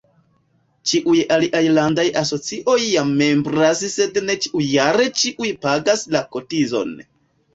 Ĉiuj aliaj landaj asocioj ja membras sed ne ĉiujare ĉiuj pagas la kotizon.